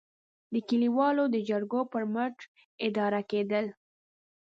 د کلیوالو د جرګو پر مټ اداره کېدل.